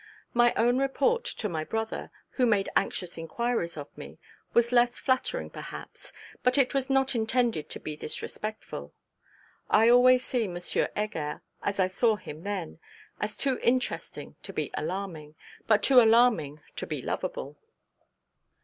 My own report, to my brother, who made anxious inquiries of me, was less flattering perhaps, but it was not intended to be disrespectful. I always see M. Heger as I saw him then: as too interesting to be alarming; but too alarming to be lovable.